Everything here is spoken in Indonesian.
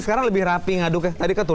sekarang lebih rapi ngaduknya tadi kan tuh